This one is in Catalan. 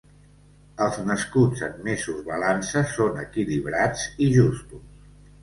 Els nascuts en mesos balança són equilibrats i justos